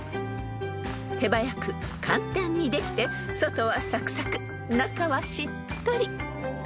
［手早く簡単にできて外はサクサク中はしっとり］